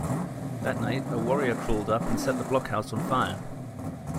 That night, a warrior crawled up and set the blockhouse on fire.